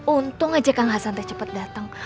untung aja kang hasan teh cepet dateng